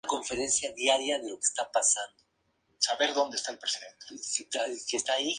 Muchos de los singles alcanzaron altas posiciones en las listas de Beatport.